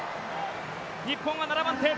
日本は７番手。